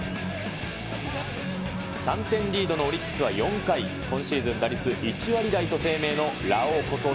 ３点リードのオリックスは４回、今シーズン打率１割台と低迷のラオウこと